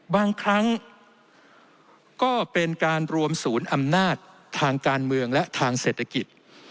บางครั้งก็เป็นการรวมศูนย์อำนาจทางการเมืองและทางเศรษฐกิจ